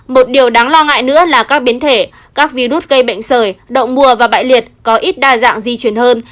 một điều đáng lo ngại nữa là các biến thể các virus gây bệnh sởi động mùa và bại liệt có ít đa dạng di chuyển hơn